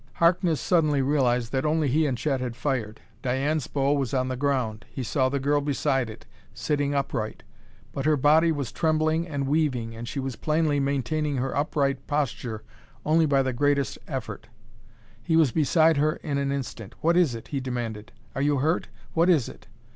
Harkness suddenly realized that only he and Chet had fired. Diane's bow was on the ground. He saw the girl beside it, sitting upright; but her body was trembling and weaving, and she was plainly maintaining her upright posture only by the greatest effort. He was beside her in an instant. "What is it?" he demanded. "Are you hurt? What is it?"